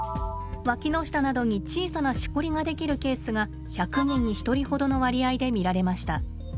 わきの下などに小さなしこりが出来るケースが１００人に１人ほどの割合で見られました。